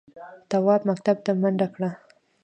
تواب مکتب ته منډه کړه.